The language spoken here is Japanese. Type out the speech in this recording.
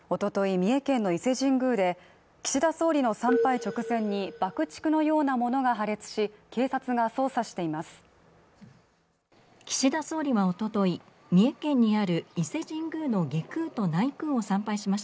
三重県の伊勢神宮で岸田総理の参拝直前に爆竹のようなものが破裂し警察が捜査しています